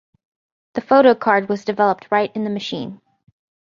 The photo card was developed right in the machine.